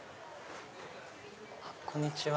こんにちは。